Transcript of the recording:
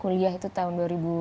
kuliah itu tahun dua ribu tiga belas